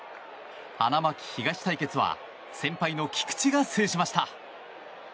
花巻東対決は先輩の菊池が制しました。